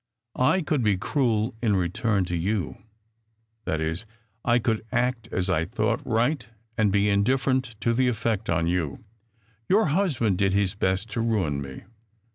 I could be cruel in return to you. That is, I could act as I thought right and be indifferent to the effect on you. Your husband did his best to ruin me.